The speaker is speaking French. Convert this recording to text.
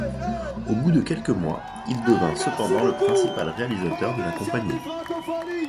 Au bout de quelques mois, il devint cependant le principal réalisateur de la compagnie.